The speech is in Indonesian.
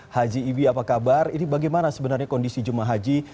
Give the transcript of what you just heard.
haji ibi apa kabar ini bagaimana sebenarnya kondisi jemaah haji